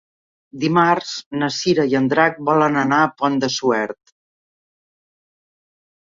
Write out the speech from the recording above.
Dimarts na Cira i en Drac volen anar al Pont de Suert.